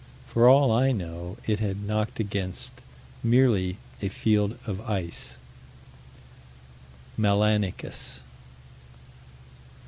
For all I know it had knocked against merely a field of ice. Melanicus.